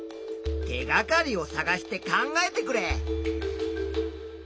手がかりをさがして考えてくれ。